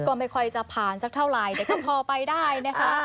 ก็ไม่ค่อยจะผ่านสักเท่าไหร่แต่ก็พอไปได้นะคะ